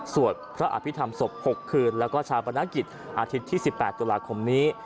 สวดพระอภิษฐรรมศพหกคืนแล้วก็ชาวประณากิจอาทิตย์ที่สิบแปดตุลาคมนี้